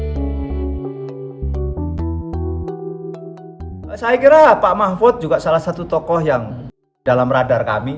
saya kira pak mahfud juga salah satu tokoh yang dalam radar kami